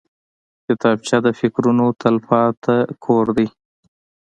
کتابچه د فکرونو تلپاتې کور دی